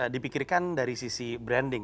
dipikirkan dari sisi branding